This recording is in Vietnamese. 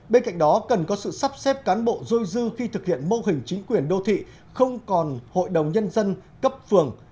bên cạnh đó cần có sự sắp xếp cán bộ dôi dư khi thực hiện mô hình chính quyền đô thị không còn hội đồng nhân dân cấp phường